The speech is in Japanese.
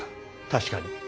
確かに。